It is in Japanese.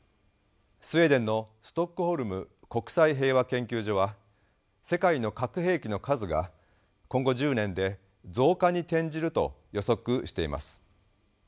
スウェーデンのストックホルム国際平和研究所は世界の核兵器の数が今後１０年で増加に転じると予測しています。